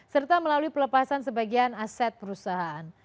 serta melalui pelepasan sebagian aset perusahaan